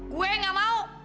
gue gak mau